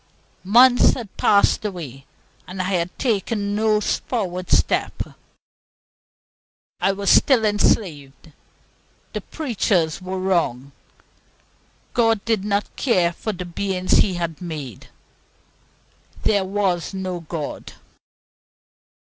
Months had passed away, and I had taken no forward step. I was still enslaved. The preachers were wrong; God did not care for the beings He had made. There was no God.